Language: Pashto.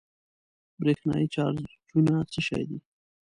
برېښنايي چارجونه څه شی دي؟